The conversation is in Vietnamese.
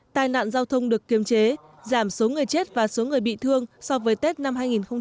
tai nạn giao thông được kiềm chế giảm số người chết và số người bị thương so với tết năm hai nghìn một mươi tám